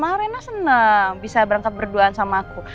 mana rena senang bisa berangkat berduaan sama aku